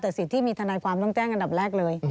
แต่สิทธิ์ที่มีทนายความต้องแจ้งอันดับแรกเลย